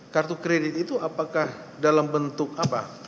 kartu kredit itu apakah dalam bentuk apa